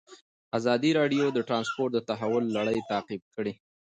ازادي راډیو د ترانسپورټ د تحول لړۍ تعقیب کړې.